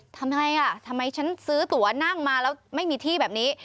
ทำไมอ่ะทำไมฉันซื้อตัวนั่งมาแล้วไม่มีที่แบบนี้